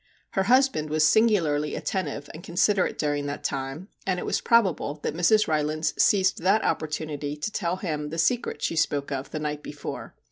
Her husband was singularly attentive and considerate during that time, and it was probable that Mrs. Rylands seized that opportunity to tell him the secret she spoke of the night before.